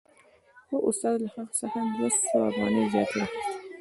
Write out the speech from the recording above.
خو استاد له هغه څخه دوه سوه افغانۍ زیاتې اخیستې